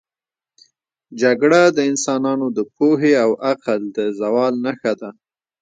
جګړه د انسانانو د پوهې او عقل د زوال نښه ده.